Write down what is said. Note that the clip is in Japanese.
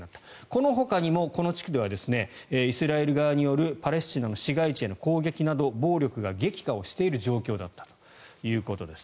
このほかにも、この地区ではイスラエル側によるパレスチナの市街地への攻撃など暴力が激化している状況だったということです。